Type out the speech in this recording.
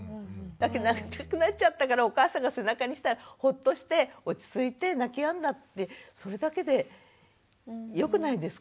泣きたくなっちゃったからお母さんが背中にしたらホッとして落ち着いて泣きやんだってそれだけでよくないですか？